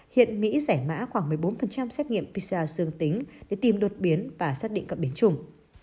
hiện mỹ rẻ mã khoảng một mươi bốn xét nghiệm pcr dương tính để tìm đột biến và xác định cặp biến chủng